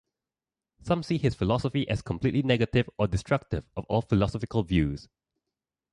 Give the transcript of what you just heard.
Some see his philosophy as completely negative or destructive of all philosophical views.